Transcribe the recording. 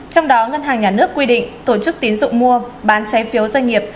trong đó ngân hàng nhà nước quy định tổ chức tín dụng mua bán trái phiếu doanh nghiệp